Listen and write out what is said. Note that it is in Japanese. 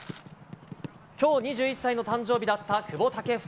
きょう２１歳の誕生日だった久保建英。